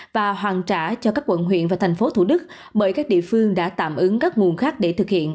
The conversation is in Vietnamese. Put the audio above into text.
và hoàn trả cho các quận huyện và thành phố thủ đức bởi các địa phương đã tạm ứng các nguồn khác để thực hiện